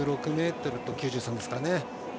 １０６ｍと９３ですかね。